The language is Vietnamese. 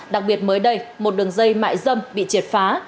đặc biệt mới đây một đường dây mại dâm bị triệt phá